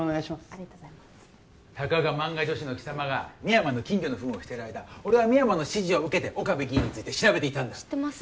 ありがとうございますたかが漫画女子の貴様が深山の金魚のフンをしてる間俺は深山の指示を受けて岡部議員について調べていたんだ知ってます